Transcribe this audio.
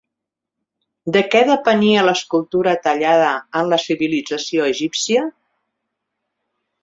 De què depenia l'escultura tallada en la civilització egípcia?